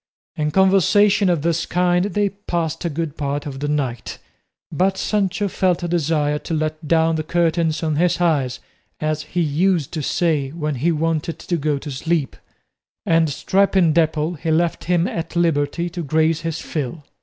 In conversation of this kind they passed a good part of the night, but Sancho felt a desire to let down the curtains of his eyes, as he used to say when he wanted to go to sleep; and stripping Dapple he left him at liberty to graze his fill.